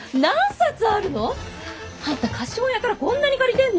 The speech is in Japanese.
あんた貸本屋からこんなに借りてんの？